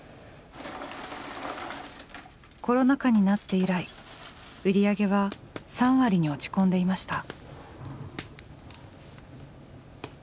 コロナ禍になって以来売り上げは３割に落ち込んでいました。